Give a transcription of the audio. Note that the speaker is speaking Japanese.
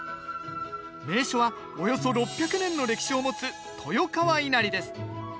名所はおよそ６００年の歴史を持つ豊川稲荷です。